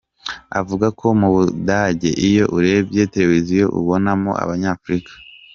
Avuga ko mu Budage, iyo urebye Televiziyo ubonamo abanyafurika .